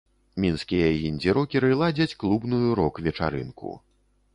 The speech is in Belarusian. Мінскія індзі-рокеры ладзяць клубную рок-вечарынку.